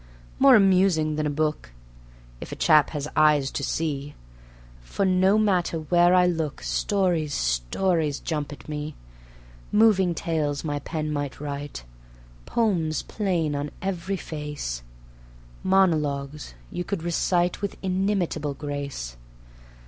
More amusing than a book, If a chap has eyes to see; For, no matter where I look, Stories, stories jump at me. Moving tales my pen might write; Poems plain on every face; Monologues you could recite With inimitable grace.